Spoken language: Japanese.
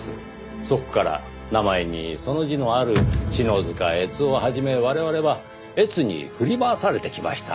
そこから名前にその字のある篠塚悦雄を始め我々は「えつ」に振り回されてきました。